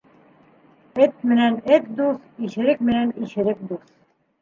Эт менән эт дуҫ, иҫерек менән иҫерек дуҫ.